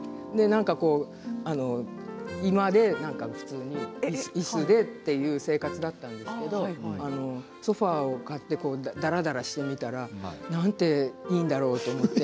居間で普通にいすでという生活だったんですけどソファーを買ってだらだらしてみたらなんていいんだろうと思って。